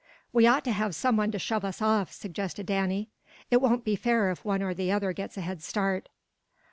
"We ought to have someone to shove us off," suggested Danny. "It won't be fair if one or the other gets a headstart."